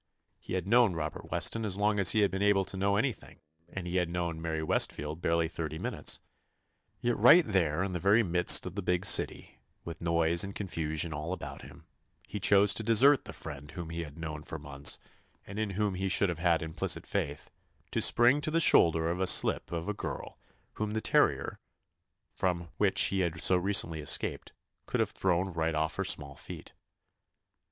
He had known Robert Weston as long as he had been able to know anything, and he had known Mary 91 THE ADVENTURES OF Westfield barely thirty minutes. Yet, right there in the very midst of the big city, with noise and confusion all about him, he chose to desert the friend whom he had known for months, and in whom he should have had implicit faith, to spring to the shoulder of a slip of a girl whom the terrier, from which he had so recently escaped, could have thrown right off her small feet.